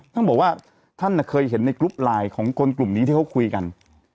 ท่านบอกว่าท่านเคยเห็นในกรุ๊ปไลน์ของคนกลุ่มนี้ที่เขาคุยกัน